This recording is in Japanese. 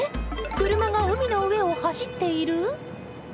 車が海の上を走っている？